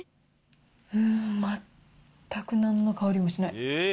うーん、全くなんの香りもしない。